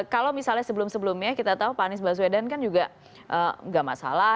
kalau misalnya sebelum sebelumnya kita tahu pak anies baswedan kan juga nggak masalah